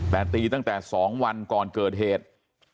แต่ตีตั้งแต่๒วันก่อนเกิดเหตุ